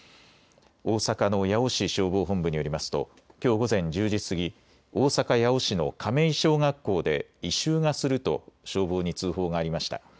大阪の八尾市消防本部によりますときょう午前１０時過ぎ大阪八尾市の亀井小学校で異臭がすると消防に通報がありました。